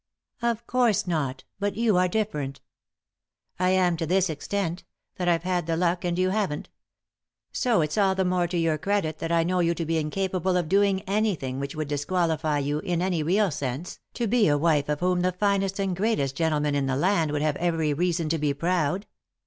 " "Of course not; but you are different" "I am to this extent— that I've had the luck, and you haven't So it's all the more to your credit that I know you to be incapable of doing anything which would disqualify you, in any real sense, to be a wife of whom the finest and greatest gentleman in the land would have every reason to be proud."